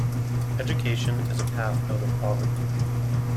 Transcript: Education is a path out of poverty.